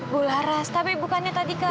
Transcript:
bu laras tapi bukannya tadi ke